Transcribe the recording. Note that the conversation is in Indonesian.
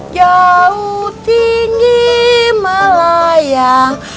jauh tinggi melayang